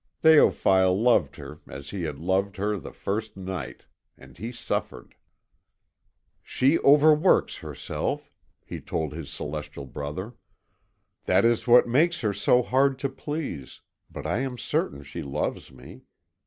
Théophile loved her as he had loved her the first night, and he suffered. "She overworks herself," he told his celestial brother, "that is what makes her so hard to please, but I am certain she loves me.